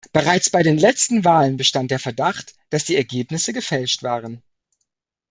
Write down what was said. Bereits bei den letzten Wahlen bestand der Verdacht, dass die Ergebnisse gefälscht waren.